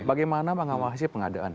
bagaimana mengawasi pengadaan